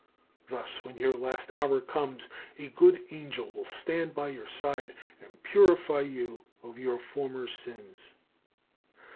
Thus, when your last hour comes, a good angel will stand by your side and purify you of your former sins.